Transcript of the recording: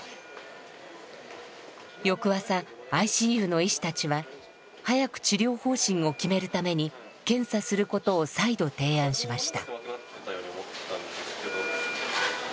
翌朝ＩＣＵの医師たちは早く治療方針を決めるために検査することを再度提案しました。